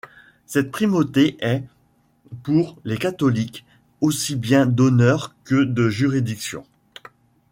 Cette primauté est, pour les catholiques, aussi bien d'honneur que de juridiction.